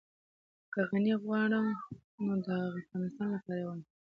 که غني غواړم نو د افغانستان لپاره يې غواړم.